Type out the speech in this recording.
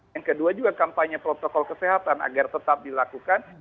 yang kedua juga kampanye protokol kesehatan agar tetap dilakukan